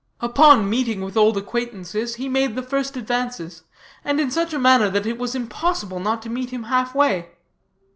Upon meeting with old acquaintances, he made the first advances, and in such a manner that it was impossible not to meet him half way.